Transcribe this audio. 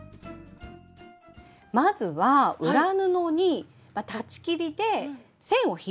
まずは裏布に裁ち切りで線を引いちゃいます。